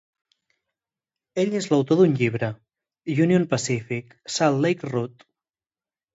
Ell és l'autor d'un llibre "Union Pacific: Salt Lake Route".